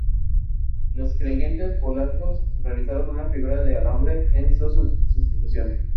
Los creyentes polacos, realizaron una figura de alambre en su sustitución.